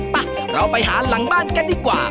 ไปเราไปหาหลังบ้านกันดีกว่า